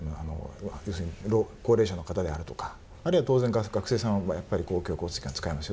要するに高齢者の方であるとかあるいは当然学生さんの場合公共交通機関使いますよね。